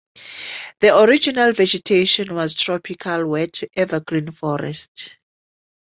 The original vegetation was tropical wet evergreen forest.